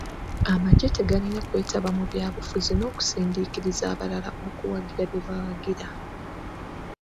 Amagye tegalina kwetaba mu bya bufuzi n'okusindiikiriza abalala okuwagira bye bawagira.